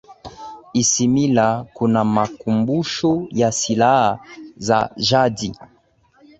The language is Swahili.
isimila kuna makumbusho ya silaha za jadi